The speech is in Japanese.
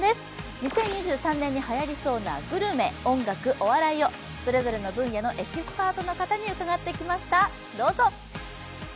２０２３年にはやりそうなグルメ、音楽、お笑いをそれぞれの分野のエキスパートの方に伺ってきました、どうぞ。